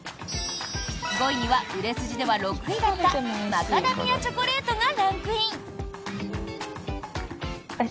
５位には売れ筋では６位だったマカダミアチョコレートがランクイン！